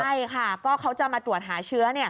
ใช่ค่ะก็เขาจะมาตรวจหาเชื้อ